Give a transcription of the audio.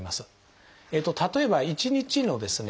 例えば１日のですね